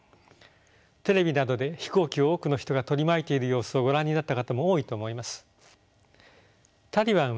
テレビなどで飛行機を多くの人が取り巻いている様子をご覧になった方も多いと思います。